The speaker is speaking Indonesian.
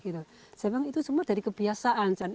saya bilang itu semua dari kebiasaan